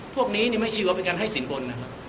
พวกนี้ไม่ชีวเป็นการให้สินบนนะครับ